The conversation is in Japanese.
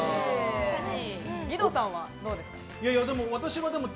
義堂さんは、どうですか？